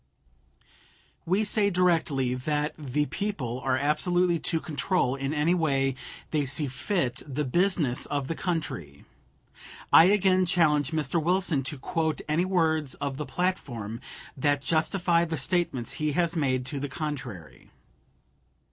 We say directly that "the people" are absolutely to control in any way they see fit, the "business" of the country. I again challenge Mr. Wilson to quote any words of the platform that justify the statements he has made to the contrary.